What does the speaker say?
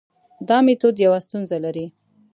دا میتود یوه ستونزه لري.